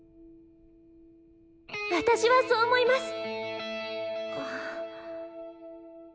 私はそう思います。